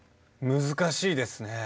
難しいですね。